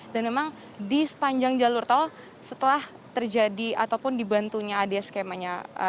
dan memang di sepanjang jalur tol setelah terjadi ataupun dibantunya ade skemanya rekesel lalu tersebut